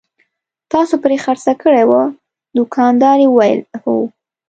تاسې پرې خرڅه کړې وه؟ دوکاندارې وویل: هو.